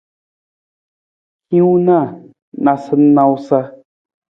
Hiwung na nawusanawusa.